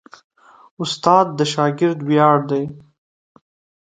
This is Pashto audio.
استاد د شاګرد ویاړ دی.